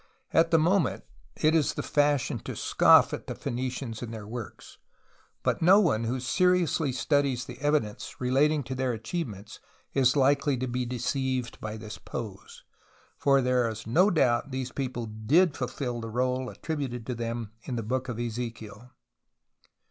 At the moment it is the fashion to scoff at the Phoenicians and their works : but no one w4io seriously studies the evidence relating to their achievements is likely to be deceived by this pose. For there is no doubt these people did fulfil the role attributed to them in the Book of Ezekiel.